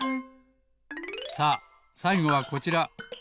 さあさいごはこちら。